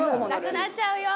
「なくなっちゃうよ！」